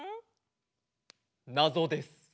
なぞです。